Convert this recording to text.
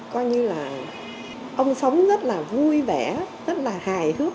coi như là ông sống rất là vui vẻ rất là hài hước